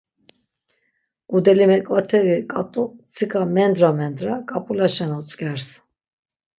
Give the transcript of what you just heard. Ǩudeli meǩvateri ǩat̆u mtsika mendra mendra ǩap̌ulaşen otzǩers.